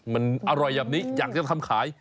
มันอร่อยแบบนี้อยากจะทำขาย